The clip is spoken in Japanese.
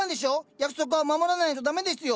約束は守らないと駄目ですよ。